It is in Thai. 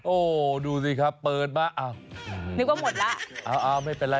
โอ้ดูสิครับเปิดมานึกว่าหมดละ